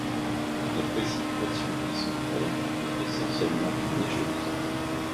Les précipitations y sont faibles mais essentiellement neigeuses.